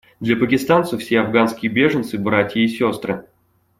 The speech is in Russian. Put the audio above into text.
Для пакистанцев все афганские беженцы — братья и сестры.